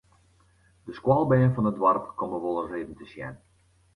De skoalbern fan it doarp komme wolris even te sjen.